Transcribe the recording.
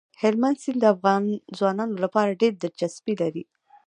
هلمند سیند د افغان ځوانانو لپاره ډېره دلچسپي لري.